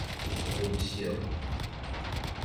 溫惜